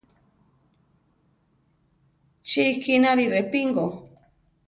Chi ikínari Repingo.